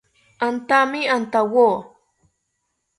Antami antawo